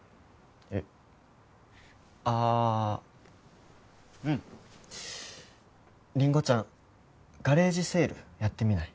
えっあーうんりんごちゃんガレージセールやってみない？